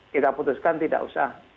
kita putuskan tidak usah